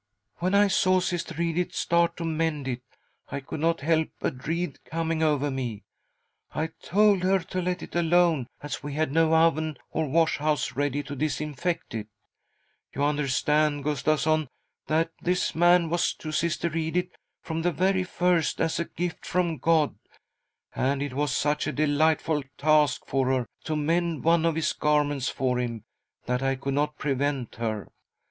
When I saw Sister Edith start to mend it, I could not help a dread coming over me. I told her to let it alone, as we had no oven or wash house ready to disinfect it. KS « E? >' i i " 78 THY SOUL SHALL BEAR WITNESS !" You understand, Gustavssoni that this man was to Sifter Edith from the very first as a gift from God, and it was such a delightful task for her, to mend onl of his garments for him, that I could not prevent |er.